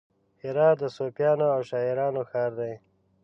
هرات د صوفیانو او شاعرانو ښار دی.